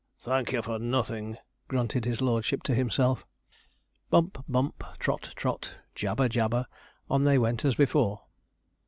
'Thank you for nothing,' grunted his lordship to himself. Bump, bump; trot, trot; jabber, jabber, on they went as before.